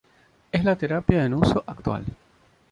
Es la terapia en uso actual.